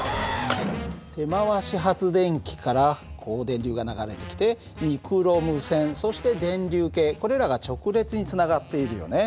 手回し発電機からこう電流が流れてきてニクロム線そして電流計これらが直列につながっているよね。